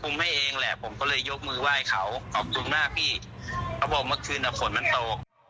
มักคืนอ่ะผลมันโต